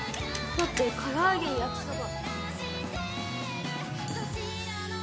だって唐揚げ焼きそば。